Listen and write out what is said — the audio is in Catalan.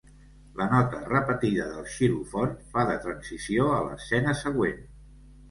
La nota repetida del xilòfon fa de transició a l'escena següent.